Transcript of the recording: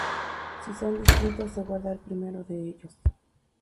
Si son distintos, se guarda el primero de ellos.